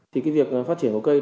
thì cái việc phát triển của cây